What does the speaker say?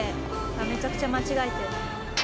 あっめちゃくちゃ間違えてる。